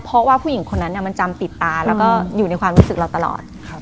เพราะว่าผู้หญิงคนนั้นมันจำติดตาแล้วก็อยู่ในความรู้สึกเราตลอด